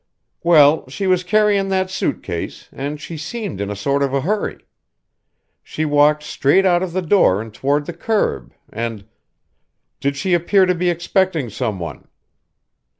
"Well, she was carrying that suit case, and she seemed in a sort of a hurry. She walked straight out of the door and toward the curb, and " "Did she appear to be expecting some one?"